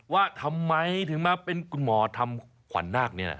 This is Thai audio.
ว่าทำไมถึงมาเป็นคุณหมอทำขวัญนาคนี้ล่ะ